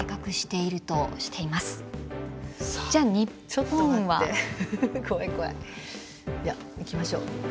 いやいきましょう。